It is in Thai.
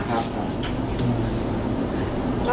ครับครับ